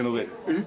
えっ？